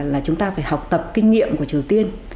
là chúng ta phải học tập kinh nghiệm của triều tiên